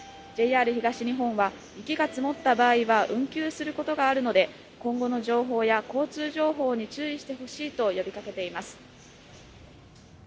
ＪＲ東日本は雪が積もった場合は運休することがあるので今後の情報や交通情報に注意してほしいと呼びかけています。